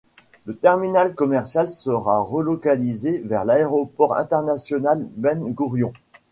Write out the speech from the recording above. Le terminal commercial sera relocalisé vers l'aéroport international Ben Gourion.